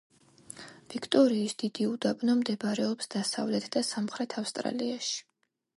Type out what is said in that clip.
ვიქტორიის დიდი უდაბნო მდებარეობს დასავლეთ და სამხრეთ ავსტრალიაში.